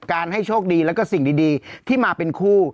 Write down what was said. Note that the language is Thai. ให้โชคดีแล้วก็สิ่งดีที่มาเป็นคู่